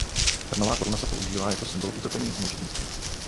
Trnová koruna se používá jako symbol utrpení a mučednictví.